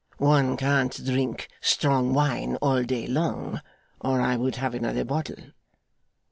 One can't drink strong wine all day long, or I would have another bottle.